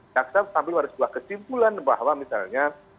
tak sabar ada sebuah kesimpulan bahwa misalnya